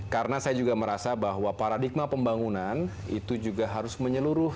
karena saya juga merasa bahwa paradigma pembangunan itu juga harus menyeluruh